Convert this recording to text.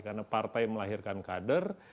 karena partai melahirkan kader